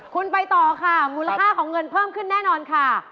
คุณไปต่อค่ะมูลค่าของเงินเพิ่มขึ้นแน่นอนค่ะ